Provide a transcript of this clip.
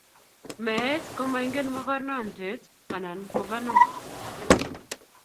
Meet ko maingen mokornotet anan ko banan.